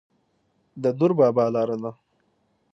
د دور بابا لاره ده